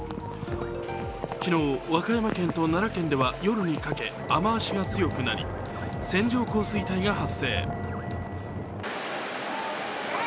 昨日、和歌山県と奈良県では夜にかけ雨足が強くなり、線状降水帯が発生。